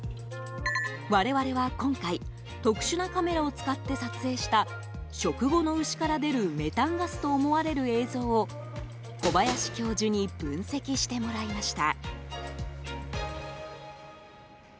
我々は今回特殊なカメラを使って撮影した食後の牛から出るメタンガスと思われる映像を小林教授に分析してもらいました。